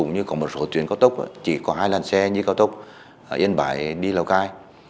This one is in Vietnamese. như có một số tuyến cao tốc chỉ có hai làn xe như cao tốc yên bái đi lào cai